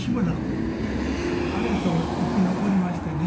あれと生き残りましてね。